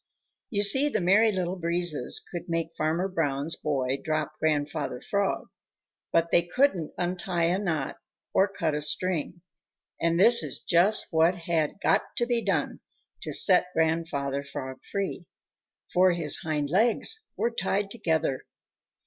You see, the Merry Little Breezes could make Farmer Brown's boy drop Grandfather Frog, but they couldn't untie a knot or cut a string, and this is just what had got to be done to set Grandfather Frog free, for his hind legs were tied together.